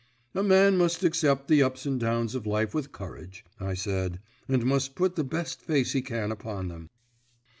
"A man must accept the ups and downs of life with courage," I said, "and must put the best face he can upon them."